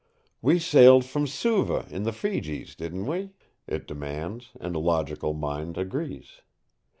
"We sailed from Suva, in the Fijis, didn't we?" it demands, and logical mind agrees.